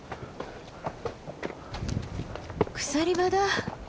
鎖場だ。